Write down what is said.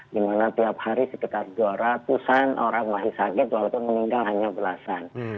dimana tiap hari sekitar dua ratus an orang lain sakit walaupun meninggal hanya belasan